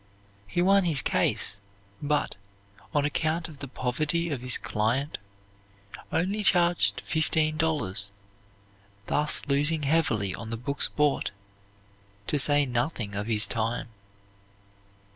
He won his case, but, on account of the poverty of his client, only charged fifteen dollars, thus losing heavily on the books bought, to say nothing of his time.